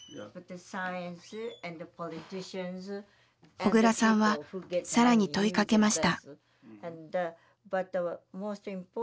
小倉さんは更に問いかけました。